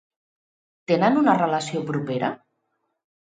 Tenen una relació propera?